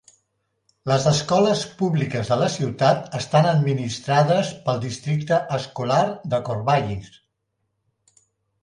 Les escoles públiques de la ciutat estan administrades pel districte escolar de Corvallis.